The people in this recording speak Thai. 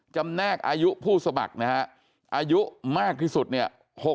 แนกอายุผู้สมัครนะฮะอายุมากที่สุดเนี่ย